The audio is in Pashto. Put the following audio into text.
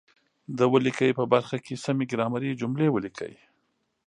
د ولیکئ په برخه کې سمې ګرامري جملې ولیکئ.